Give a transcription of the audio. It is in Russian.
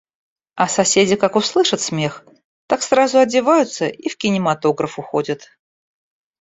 А соседи, как услышат смех, так сразу одеваются и в кинематограф уходят.